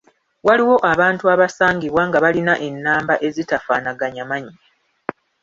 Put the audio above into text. Waliwo abantu abasangibwa nga balina ennamba ezitafaanaganya mannya.